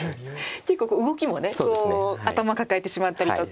結構動きも頭抱えてしまったりとか。